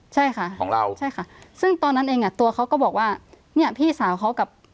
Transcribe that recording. ใช่ค่ะของเราใช่ค่ะซึ่งตอนนั้นเองอ่ะตัวเขาก็บอกว่าเนี่ยพี่สาวเขากับ